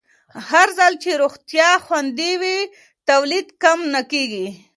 هرځل چې روغتیا خوندي وي، تولید کم نه کېږي.